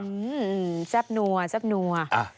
อืมแซ่บนัวแซ่บนัว